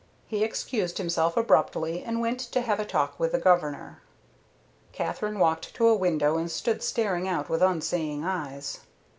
He excused himself abruptly and went to have a talk with the Governor. Katherine walked to a window and stood staring out with unseeing eyes.